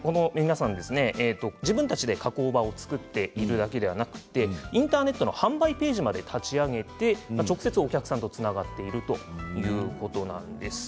自分たちで加工場を作っているだけではなくてインターネットで販売ページを立ち上げて直接お客さんとつながっているということなんです。